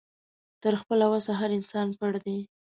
تر خپله وسه هر انسان پړ دی